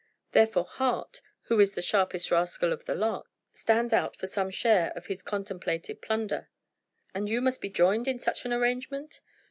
Therefore Hart, who is the sharpest rascal of the lot, stands out for some share of his contemplated plunder." "And you must be joined in such an arrangement?"